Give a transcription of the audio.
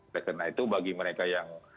karena itu bagi mereka yang